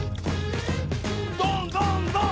どんどんどん！